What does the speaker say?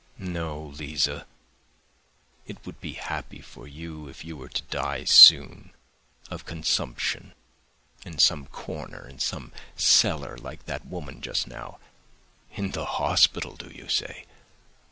No, Liza, it would be happy for you if you were to die soon of consumption in some corner, in some cellar like that woman just now. In the hospital, do you say?